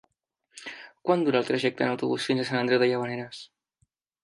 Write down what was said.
Quant dura el trajecte en autobús fins a Sant Andreu de Llavaneres?